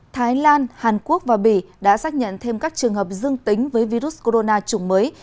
thái lan hàn quốc và bỉ đã xác nhận thêm các trường hợp dương tính với virus corona chủng mới